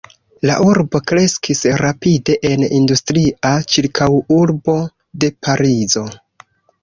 La urbo kreskis rapide en industria ĉirkaŭurbo de Parizo.